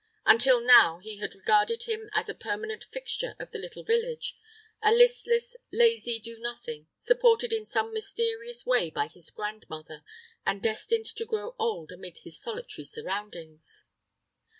Until now he had regarded him as a permanent fixture of the little village; a listless, lazy do nothing, supported in some mysterious way by his grandmother and destined to grow old amid his solitary surroundings.